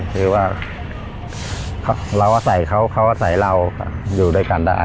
คือว่าเราอาศัยเขาเขาอาศัยเราอยู่ด้วยกันได้